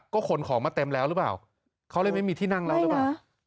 ก็ขนของมาเต็มแล้วหรือเปล่าเขาเลยไม่มีที่นั่งแล้วหรือเปล่า